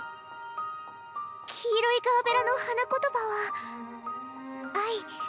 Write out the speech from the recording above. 黄色いガーベラの花言葉は「愛」。